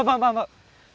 vâng vâng vâng